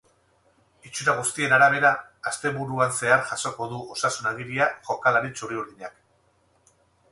Itxura guztien arabera, asteburuan zehar jasoko du osasun-agiria jokalari txuri-urdinak.